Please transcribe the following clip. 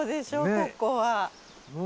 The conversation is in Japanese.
ここは。